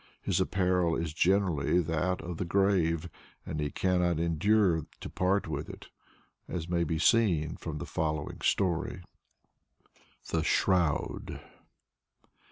His apparel is generally that of the grave, and he cannot endure to part with it, as may be seen from the following story THE SHROUD.